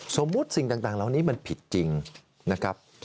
สิ่งต่างเหล่านี้มันผิดจริงนะครับ